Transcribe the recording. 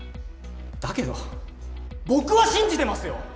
だけど僕は信じてますよ。